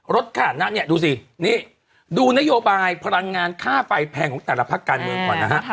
ค่านะเนี่ยดูสินี่ดูนโยบายพลังงานค่าไฟแพงของแต่ละพักการเมืองก่อนนะฮะ